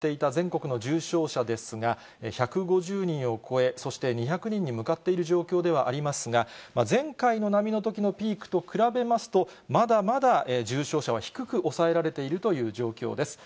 ずっと２桁が続いていた全国の重症者ですが、１５０人を超え、そして２００人に向かっている状況ではありますが、前回の波のときのピークと比べますと、まだまだ重症者は低く抑えられているという状況です。